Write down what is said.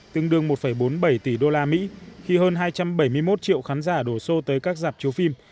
tương đương một bốn mươi bảy tỷ đô la mỹ khi hơn hai trăm bảy mươi một triệu khán giả đổ xô tới các giảm chiếu phim